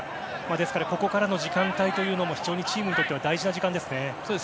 ですから、ここからの時間帯も非常にチームにとっては大事な時間ですね。